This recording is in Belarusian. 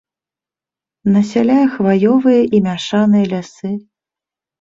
Насяляе хваёвыя і мяшаныя лясы.